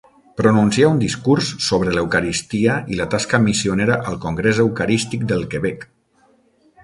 Pronuncià un discurs sobre l'Eucaristia i la tasca missionera al Congrés Eucarístic del Quebec.